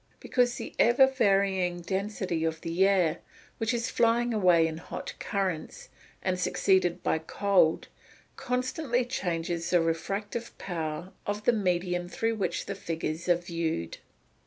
_ Because the ever varying density of the air which is flying away in hot currents, and succeeded by cold, constantly changes the refractive power of the medium through which the figures are viewed.